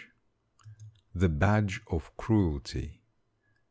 THE BADGE OF CRUELTY.